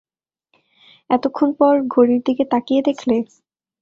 এতক্ষণ পরে ঘড়ির দিকে তাকিয়ে দেখলে।